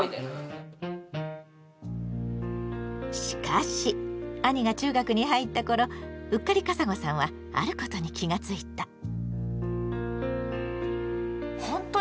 しかし兄が中学に入った頃ウッカリカサゴさんはあることに気が付いた。